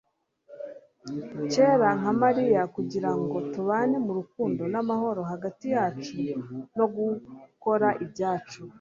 cyera nka mariya kugirango tubane mu rukundo n'amahoro hagati yacu no gukora ibyacu